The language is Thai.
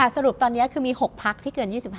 สรุปตอนนี้คือมี๖พักที่เกิน๒๕